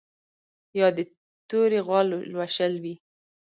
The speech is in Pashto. یا د تورې غوا لوشل وي